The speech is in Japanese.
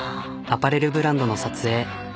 アパレルブランドの撮影。